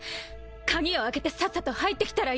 鍵を開けてさっさと入ってきたらいいでしょ。